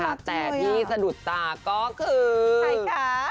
น่ารักจริงอ่ะในสะดุดตาก็คือใครคะ